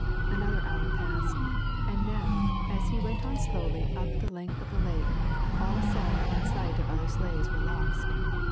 Another hour passed, and now, as he went on slowly up the length of the lake, all sound and sight of other sleighs were lost.